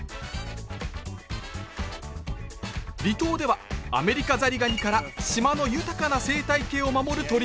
離島ではアメリカザリガニから島の豊かな生態系を守る取り組みも！